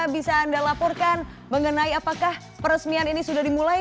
bisa anda laporkan mengenai apakah peresmian ini sudah dimulai